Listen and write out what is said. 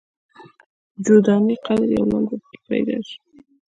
جو دانې قدر یو لعل په کې پیدا شي.